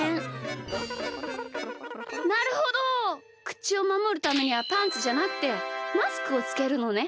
くちをまもるためにはパンツじゃなくてマスクをつけるのね。